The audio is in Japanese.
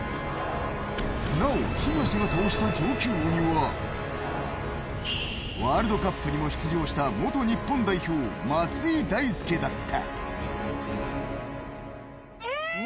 なお、東が倒した上級鬼はワールドカップにも出場した元日本代表、松井大輔だった。